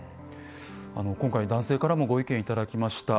今回男性からもご意見頂きました。